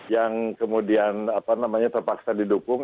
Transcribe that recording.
yang kemudian terpaksa didukung